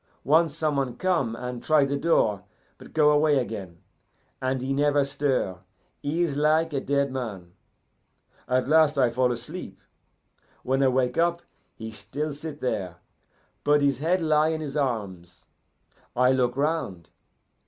Once some one come and try the door, but go away again, and he never stir; he is like a dead man. At last I fall asleep. When I wake up, he still sit there, but his head lie in his arms. I look round.